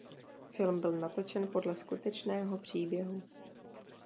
Film byl natočen podle skutečného příběhu.